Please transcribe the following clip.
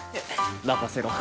まかせろ！